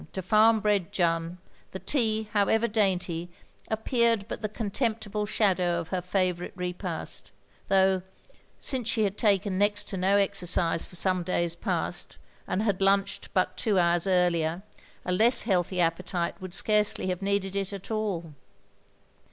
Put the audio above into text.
To farm bred Jeanne, the tea, however dainty, appeared but the contemptible shadow of her favourite repast; though, since she had taken next to no exercise for some days past, and had limched but two hours earlier, a less healthy appetite would scarcely have needed it at all.